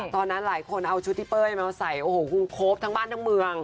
ตอนนั้นหลายคนเอาชุดที่เป้ยมาใส่โอ้โหคงครบทั้งบ้านทั้งเมือง